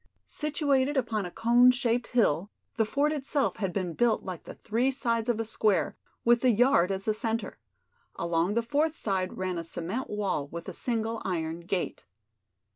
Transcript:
Situated upon a cone shaped hill, the fort itself had been built like the three sides of a square, with the yard as the center. Along the fourth side ran a cement wall with a single iron gate.